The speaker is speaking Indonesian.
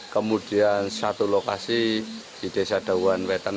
kemudian satu lokasi di desa dawan wetan